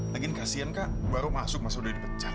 lagi kasian kak baru masuk masa udah dipecat